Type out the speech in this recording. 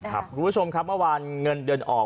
คุณผู้ชมครับเมื่อวานเงินเดือนออก